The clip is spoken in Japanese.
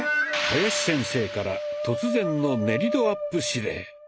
林先生から突然の「練り度アップ」指令。